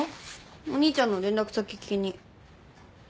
お兄ちゃんの連絡先聞きに。